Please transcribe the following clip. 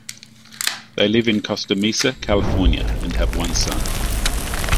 They live in Costa Mesa, California and have one son.